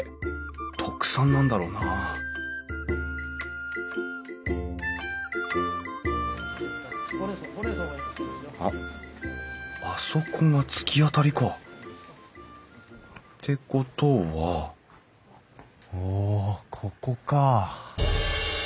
特産なんだろうなあっあそこが突き当たりか。ってことはおここか。